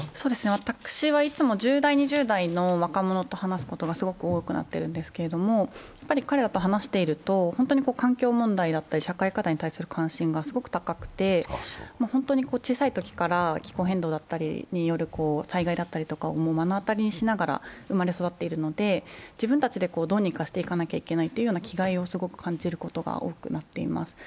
私はいつも１０代、２０代の若者と話すことがすごく多くなっているんですけれども彼らと話していると本当に環境問題だったり社会課題に関する関心がすごく高くて、小さいときから気候変動による災害だったりとかを目の当たりにしながら生まれ育っているので自分たちでどうにかしていかなければいけないという気概を感じることが多くなっています。